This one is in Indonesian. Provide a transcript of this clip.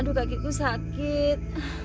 aduh kakiku sakit